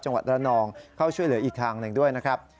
จังหวัดระนองเข้าช่วยเหลืออีกทางหนึ่งด้วยนะครับ